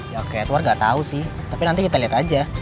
ya kak edward gak tau sih tapi nanti kita liat aja